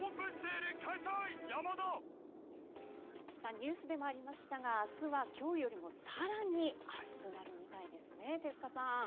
ニュースでもありましたが明日は今日よりも更に暑くなるみたいですね手塚さん。